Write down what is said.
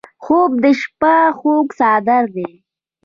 خوب د شپه خوږ څادر دی